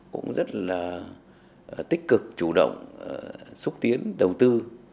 cũng rất là tích cực chủ động xúc tiến đầu tư